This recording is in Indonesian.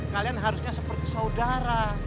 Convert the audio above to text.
kalian harusnya seperti saudara